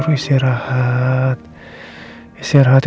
kamu bisa tenangin pikiran kamu dede